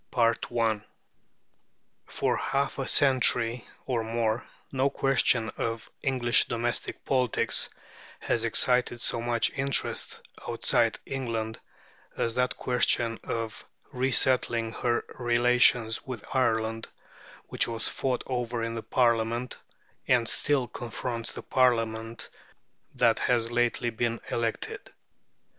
P. For half a century or more no question of English domestic politics has excited so much interest outside England as that question of resettling her relations with Ireland, which was fought over in the last Parliament, and still confronts the Parliament that has lately been elected.